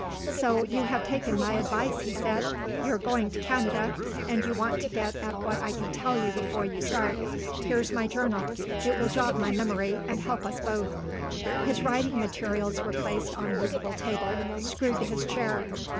"So you have taken my advice," he said. "You're going to Canada, and you want to get at what I can tell you before you start. Here's my journal. It will jog my memory, and help us both." His writing materials were placed on a movable table, screwed to his chair.